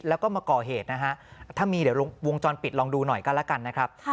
แล้วก็มาก่อเหตุนะฮะถ้ามีเดี๋ยววงจรปิดลองดูหน่อยกันแล้วกันนะครับ